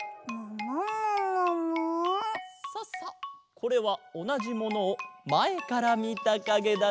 これはおなじものをまえからみたかげだぞ。